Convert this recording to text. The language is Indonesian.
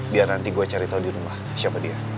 biar nanti gue cari tahu di rumah siapa dia